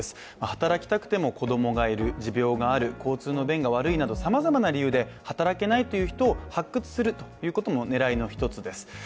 働きたくても子供がいる、持病がある交通の便が悪いなどさまざまな理由で働けないという人を発掘するというのも狙いの１つです。